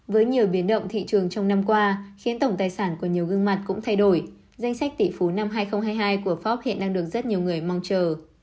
với nhiều biến động thị trường trong năm qua khiến tổng tài sản của nhiều gương mặt cũng thay đổi danh sách tỷ phú năm hai nghìn hai mươi hai của pháp hiện đang được rất nhiều người mong chờ